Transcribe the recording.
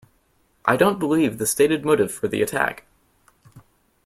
I don't believe the stated motive for the attack.